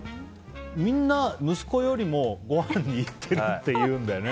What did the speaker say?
みんな息子よりもごはんに行ってるって言うんだよね。